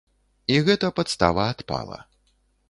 І гэта падстава адпала.